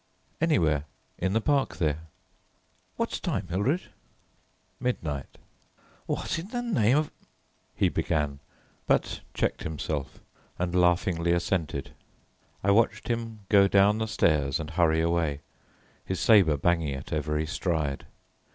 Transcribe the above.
"Anywhere, in the park there." "What time, Hildred?" "Midnight." "What in the name of " he began, but checked himself and laughingly assented. I watched him go down the stairs and hurry away, his sabre banging at every stride.